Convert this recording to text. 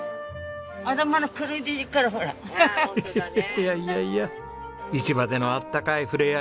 いやいやいや市場でのあったかい触れ合い